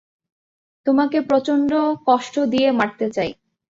তোমাকে প্রচন্ড কষ্ট দিয়ে মারতে চাই।